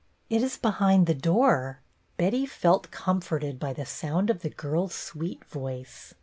" It is behind the door." Betty felt com forted by the sound of the girl's sweet voice.